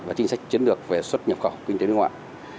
và chính sách chiến lược về xuất nhập khẩu kinh tế nước ngoài